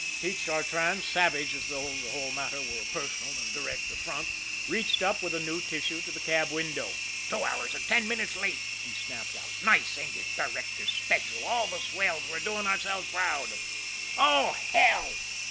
Pete Chartrand, savage as though the whole matter were a personal and direct affront, reached up with a new tissue to the cab window. "Two hours and ten minutes late!" he snapped out. "Nice, ain't it! Directors' Special, all the swells, we're doing ourselves proud! Oh, hell!"